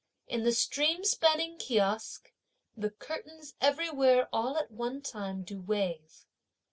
In the stream spanning kiosk, the curtains everywhere all at one time do wave.